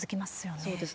そうですね。